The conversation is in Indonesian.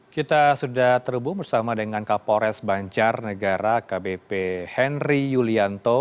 kita sudah terhubung bersama dengan kapolres banjar negara akbp henry yulianto